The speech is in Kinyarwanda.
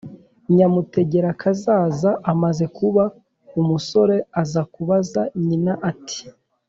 nyamutegerakazaza". amaze kuba umusore aza kubaza nyina ati: